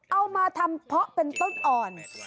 เอามาทำเพาะเป็นต้นอ่อน